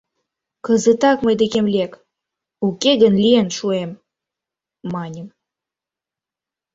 — Кызытак мый декем лек, уке гын лӱен шуэм! — маньым.